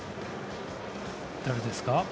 誰ですか？